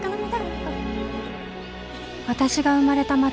私が生まれた街